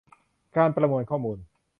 การประมวลข้อมูล